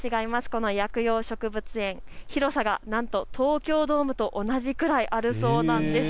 この薬用植物園、広さがなんと東京ドームと同じくらいあるそうなんです。